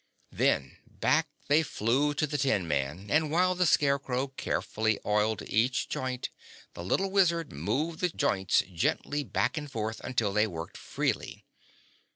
Then back they flew to the tin man, and while the Scarecrow carefully oiled each joint the little Wizard moved the joints gently back and forth until they worked freely.